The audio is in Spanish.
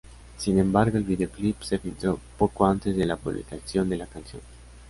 Sin embargo, el videoclip se filtró poco antes de la publicación de la canción.